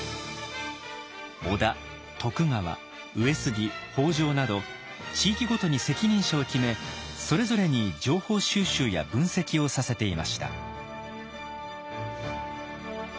織田徳川上杉北条など地域ごとに責任者を決めそれぞれに情報収集や分析をさせていました。